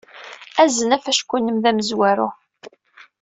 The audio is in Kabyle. Azen afecku-nnem d amezwaru.